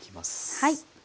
はい。